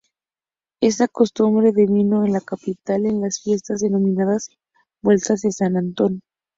Esta costumbre devino en la capital en las fiestas denominadas vueltas de San Antón.